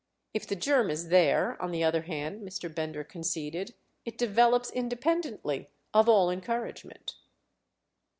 If the germ is there, on the other hand," Mr. Bender conceded, "it develops independently of all encouragement."